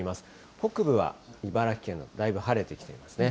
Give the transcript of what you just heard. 北部は茨城県のほう、だいぶ晴れてきていますね。